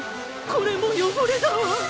これも汚れだわ！